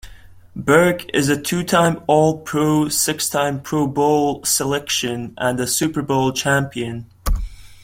Birk is a two-time All-Pro, six-time Pro Bowl selection, and a Super Bowl champion.